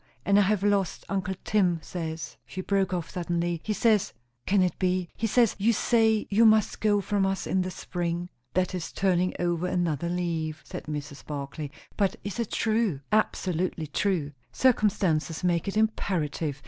And I have lost uncle Tim says," she broke off suddenly, "he says, can it be? he says you say you must go from us in the spring?" "That is turning over another leaf," said Mrs. Barclay. "But is it true?" "Absolutely true. Circumstances make it imperative.